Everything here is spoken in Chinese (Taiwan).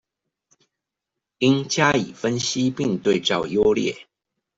應加以分析並對照優劣